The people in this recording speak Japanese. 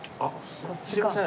すいません。